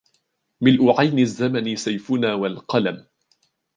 ملء عين الزّمن سيفنا والقلم